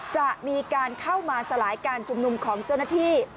จะมีการเข้ามาสลายการชุมนุมของเจ้าหน้าที่